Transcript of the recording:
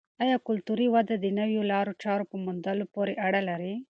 آیا کلتوري وده د نویو لارو چارو په موندلو پورې اړه لري؟